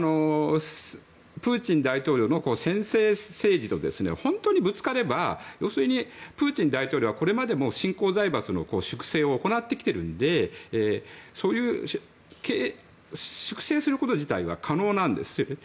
プーチン大統領の専制政治と本当にぶつかればプーチン大統領はこれまでも新興財閥の粛清を行ってきてるので粛清すること自体は可能なんです。